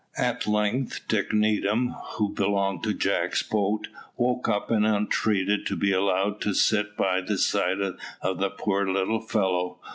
At length Dick Needham, who belonged to Jack's boat, woke up and entreated to be allowed to sit by the side of the poor little fellow.